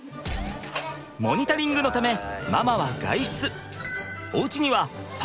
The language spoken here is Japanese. モニタリングのためママは外出。